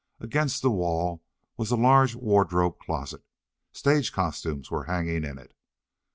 Against the wall was a large wardrobe closet; stage costumes were hanging in it.